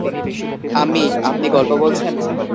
আম্মি, আপনি গল্প বলছেন?